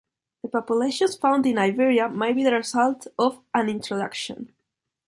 The populations found in Iberia might be the result of an introduction.